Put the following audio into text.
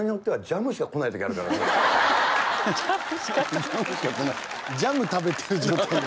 「ジャム食べてる状態」